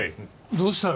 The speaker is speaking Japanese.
どうしたよ？